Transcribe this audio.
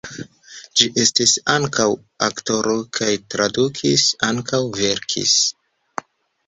Li estis ankaŭ aktoro kaj tradukis, ankaŭ verkis.